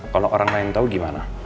kalau orang lain tahu gimana